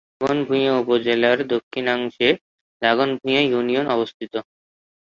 দাগনভূঞা উপজেলার দক্ষিণাংশে দাগনভূঞা ইউনিয়নের অবস্থান।